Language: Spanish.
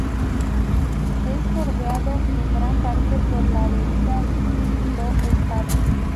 Es bordeado en gran parte por la Avenida do Estado.